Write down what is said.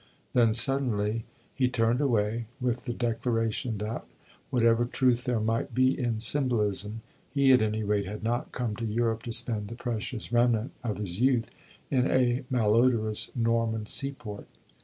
Then suddenly he turned away, with the declaration that, whatever truth there might be in symbolism, he, at any rate, had not come to Europe to spend the precious remnant of his youth in a malodorous Norman sea port.